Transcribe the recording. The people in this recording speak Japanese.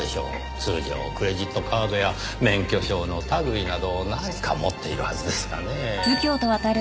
通常クレジットカードや免許証の類いなど何か持っているはずですがねぇ。